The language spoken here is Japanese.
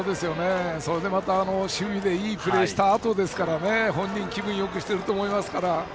それで守備でいいプレーをしたあとですから本人、気分よくしていると思いますから。